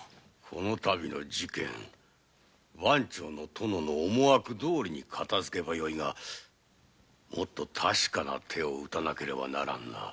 このたびの事件殿の思惑どおり片づけばよいがもっと確かな手を打たねばならんな。